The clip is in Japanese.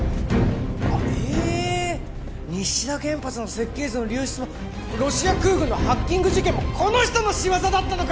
あっえっ西田原発の設計図の流出もロシア空軍のハッキング事件もこの人の仕業だったのか！